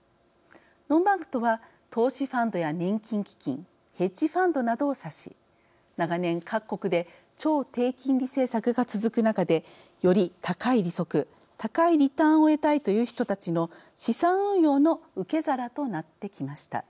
ノンバンクとは投資ファンドや年金基金ヘッジファンドなどを指し長年各国で超低金利政策が続く中でより高い利息、高いリターンを得たいという人たちの資産運用の受け皿となってきました。